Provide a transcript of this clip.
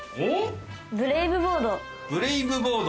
ブレイブボード。